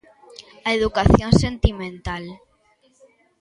A educación sentimental.